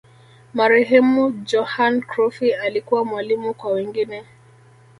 marehemu johan crufy alikuwa mwalimu kwa wengine